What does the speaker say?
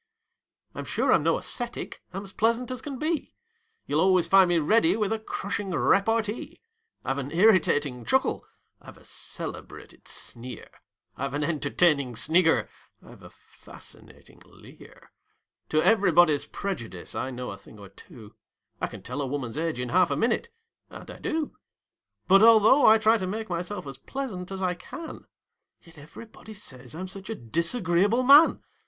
I'm sure I'm no ascetic: I'm as pleasant as can be; You'll always find me ready with a crushing repartee; I've an irritating chuckle; I've a celebrated sneer; I've an entertaining snigger; I've a fascinating leer; To everybody's prejudice I know a thing or two; I can tell a woman's age in half a minute and I do But although I try to make myself as pleasant as I can, Yet everybody says I'm such a disagreeable man!